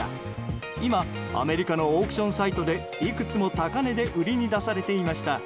今、アメリカのオークションサイトでいくつも高値で売りに出されていました。